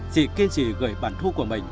chị kiên trì gửi bản thu của mình